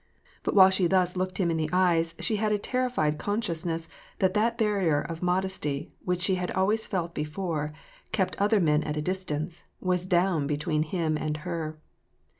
But while she thus looked him in the eyes she had a terrified consciousness that that barrier of modesty, which, she had always felt before, kept other men at a distance, was down between him and her.